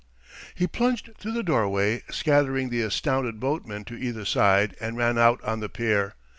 He plunged through the doorway, scattering the astounded boatmen to either side, and ran out on the pier.